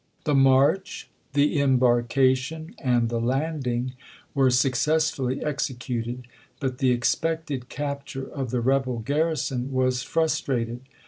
The march, the THE ADVANCE 313 embarkation, and the landing were successfully ch. xviii. executed, but the expected capture of the rebel garrison was frustrated.